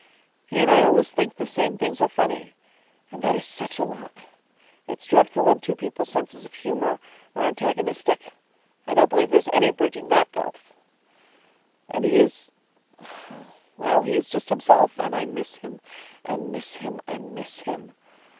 He and I always think the same things are funny, and that is such a lot; it's dreadful when two people's senses of humour are antagonistic. I don't believe there's any bridging that gulf! And he is Oh, well! He is just himself, and I miss him, and miss him, and miss him.